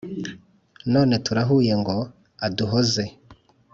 None turahuye ngo aduhoze.